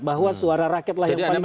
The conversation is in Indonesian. bahwa suara rakyat lah yang paling penting